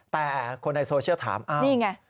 แต่คนในโซเชียลถามนี่ไง